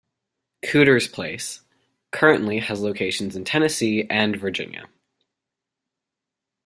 "Cooter's Place" currently has locations in Tennessee and Virginia.